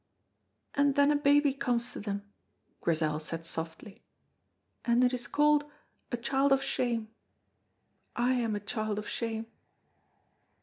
"And then a baby comes to them," Grizel said softly, "and it is called a child of shame. I am a child of shame."